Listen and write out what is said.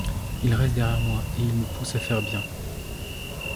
Il reste derrière moi et il me pousse à faire bien.